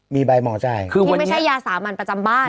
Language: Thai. มีใบหมอจ่ายคือวันนี้ที่ไม่ใช่ยาสามันประจำบ้านน่ะ